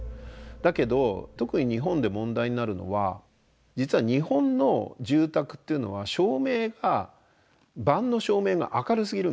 だけど特に日本で問題になるのは実は日本の住宅っていうのは照明が晩の照明が明るすぎるんですね。